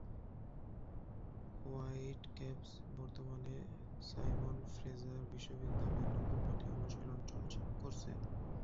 Whitecaps বর্তমানে Simon Fraser বিশ্ববিদ্যালয়ের নতুন মাঠে অনুশীলন করছে।